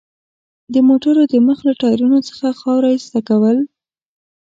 د موټر د مخ له ټایرونو څخه خاوره ایسته کول.